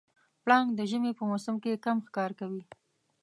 پړانګ د ژمي په موسم کې کم ښکار کوي.